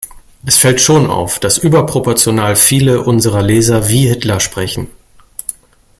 Es fällt schon auf, dass überproportional viele unserer Leser wie Hitler sprechen.